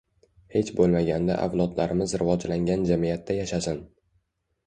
Hech boʻlmaganda avlodlarimiz rivojlangan jamiyatda yashasin.